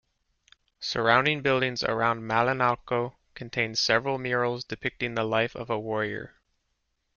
Surrounding buildings around Malinalco contained several murals depicting the life of a warrior.